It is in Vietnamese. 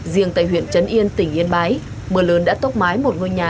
riêng tại huyện trấn yên tỉnh yên bái mưa lớn đã tốc mái một ngôi nhà